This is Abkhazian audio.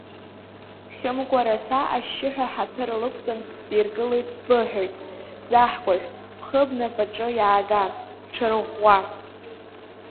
Хьымкәараса ашьшьыҳәа ҳаҭыр лықәҵан диргылоит сбыҳәоит, Ӡаҳкәажә, бхы бнапаҿы иаага, бҽырӷәӷәа!